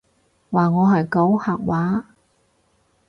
話我係狗吓話？